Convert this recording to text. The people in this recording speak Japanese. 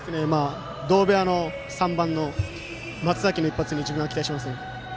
同部屋の３番の松崎の一発に自分は期待します。